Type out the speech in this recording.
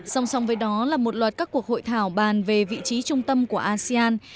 song song với đó là một loạt các cuộc hội thảo bàn về vị trí trung tâm của asean